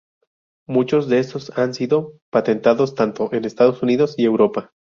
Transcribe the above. Muchos de estos han sido patentados tanto en Estados Unidos y Europa.